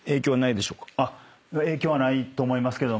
影響はないと思いますけど。